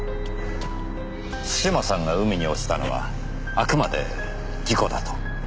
津島さんが海に落ちたのはあくまで事故だと。